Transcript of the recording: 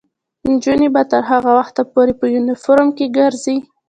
نجونې به تر هغه وخته پورې په یونیفورم کې ګرځي.